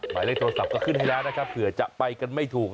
หมายเลขโทรศัพท์ก็ขึ้นให้แล้วนะครับเผื่อจะไปกันไม่ถูก